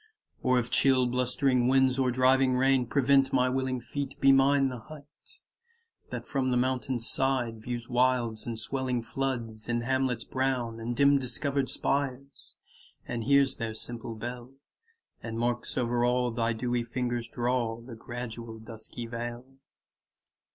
Or if chill blustering winds, or driving rain, Prevent my willing feet, be mine the hut That from the mountain's side 35 Views wilds and swelling floods, And hamlets brown, and dim discover'd spires, And hears their simple bell, and marks o'er all Thy dewy fingers draw The gradual dusky veil.